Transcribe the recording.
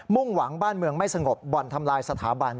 ่งหวังบ้านเมืองไม่สงบบ่อนทำลายสถาบัน